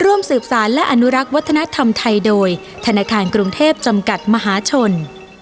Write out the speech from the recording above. ร่วมสืบสารและอนุรักษ์วัฒนธรรมไทยโดยธนาคารกรุงเทพจำกัดมหาชน